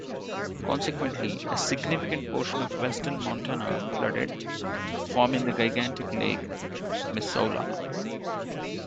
Consequently, a significant portion of western Montana flooded, forming the gigantic Lake Missoula.